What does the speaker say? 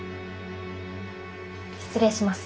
失礼します。